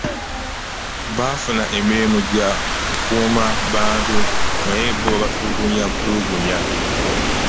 Baafuna emirimu gya kukuuma bantu naye bo babatulugunya butulugunya.